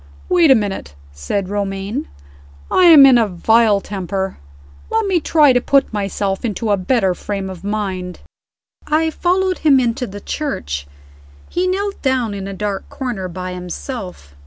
"Wait a minute," said Romayne. "I am in a vile temper. Let me try to put myself into a better frame of mind." I followed him into the church. He knelt down in a dark corner by himself.